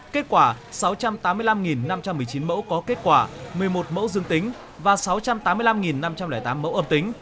kết quả sáu trăm tám mươi năm năm trăm một mươi chín mẫu có kết quả một mươi một mẫu dương tính và sáu trăm tám mươi năm năm trăm linh tám mẫu âm tính